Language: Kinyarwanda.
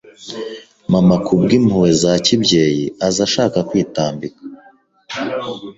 Mama kubwimpuhwe za kibyeyi aza ashaka kwitambika